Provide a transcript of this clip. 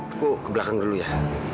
aku ke belakang dulu ya